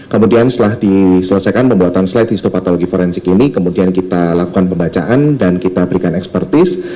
kemudian setelah diselesaikan pembuatan slide histopatologi forensik ini kemudian kita lakukan pembacaan dan kita berikan ekspertis